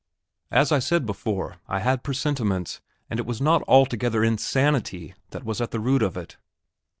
As I said before, I had presentiments; and it was not altogether insanity that was at the root of it....